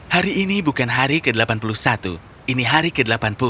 hari ini bukan hari ke delapan puluh satu ini hari ke delapan puluh